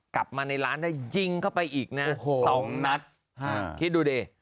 กลับมาในร้านได้ยิงเข้าไปอีกนะสองนัดคิดดูดิ